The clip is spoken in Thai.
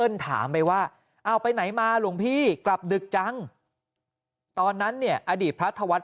ถามไปว่าเอาไปไหนมาหลวงพี่กลับดึกจังตอนนั้นเนี่ยอดีตพระธวัฒ